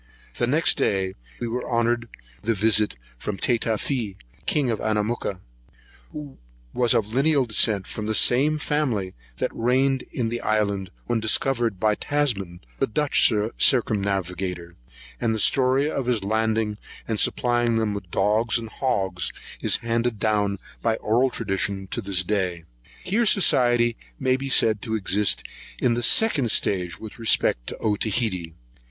Next day we were honoured with a visit from Tatafee, king of Anamooka, who was of lineal descent from the same family that reigned in the island when discovered by Tasman, the Dutch circumnavigator; and the story of his landing and supplying them with dogs and hogs, is handed down, by oral tradition, to this day.[133 1] Here society may be said to exist in the second stage with respect to Otaheite.